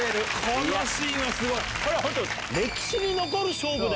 このシーンはすごい！